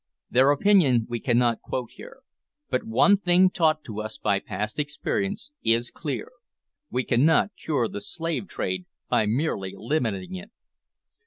Their opinion we cannot quote here, but one thing taught to us by past experience is clear, we cannot cure the slave trade by merely limiting it.